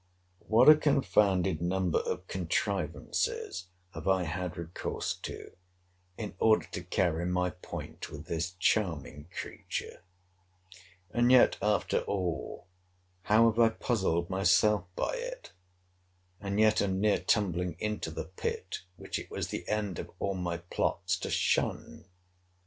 What a confounded number of contrivances have I had recourse to, in order to carry my point with this charming creature; and yet after all, how have I puzzled myself by it; and yet am near tumbling into the pit which it was the end of all my plots to shun!